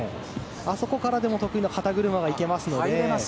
あそこからでも得意な肩車にいけますので。